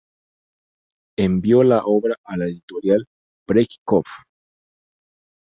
Envió la obra a la editorial Breitkopf.